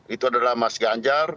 itu adalah mas ganjar